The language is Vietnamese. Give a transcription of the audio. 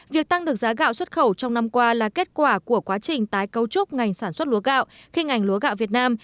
việc tăng được giá gạo xuất khẩu trong năm qua là kết quả của quá trình tái cấu trúc ngành sản xuất lúa gạo khi ngành lúa gạo việt nam